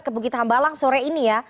ke bukit hambalang sore ini ya